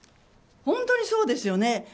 本当にそうですよね。